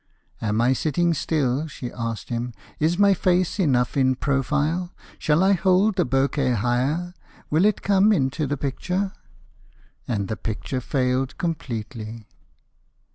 "Am I sitting still?" she asked him. "Is my face enough in profile? Shall I hold the bouquet higher? Will it come into the picture?" And the picture failed completely.